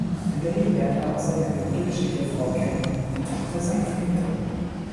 In Berlin lernte er auch seine evangelische Ehefrau kennen, die Tochter seiner Vermieter.